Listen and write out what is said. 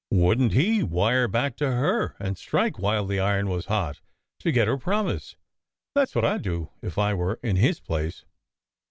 Wouldn t he wire back to her, and strike while the iron was hot, to get her promise? That s what I d do if I were in his place."